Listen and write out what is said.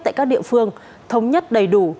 tại các địa phương thống nhất đầy đủ